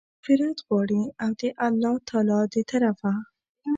مغفرت غواړي، او د الله تعالی د طرفه